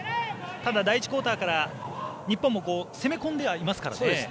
ただ、第１クオーターから日本も攻め込んではいますからね。